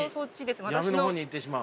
闇の方に行ってしまう。